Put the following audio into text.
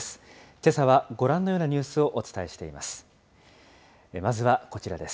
けさはご覧のようなニュースをお伝えしています。